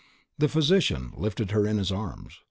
The physician lifted her in his arms.